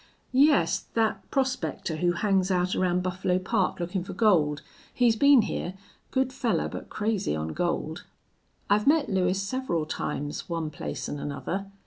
"Yes, thet prospector who hangs out around Buffalo Park, lookin' fer gold. He's been hyar. Good fellar, but crazy on gold." "I've met Lewis several times, one place and another.